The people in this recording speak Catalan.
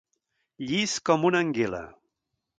Llis com una anguila.